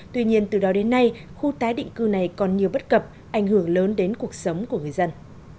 tuy nhiên từ đó đến nay khu tái định cư này còn nhiều bất cập ảnh hưởng lớn đến cuộc sống của người dân